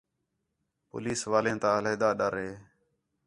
پولیس والیں تا علیحدہ ڈَر ہِے